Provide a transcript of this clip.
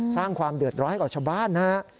สร้างความเดือดร้อยกว่าชาวบ้านนะ